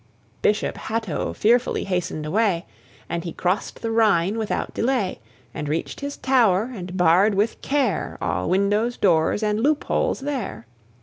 Bishop Hatto fearfully hastened away, And he crossed the Rhine without delay, And reached his tower, and barred with care All windows, doors, and loop holes there.